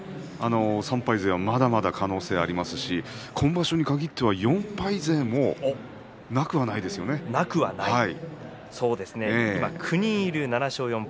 ３敗勢はまだまだ可能性がありますし今場所に限っては４敗勢もなくはないですよね。